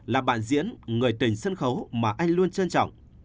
là bạn diễn người tình sân khấu mà anh luôn trân trọng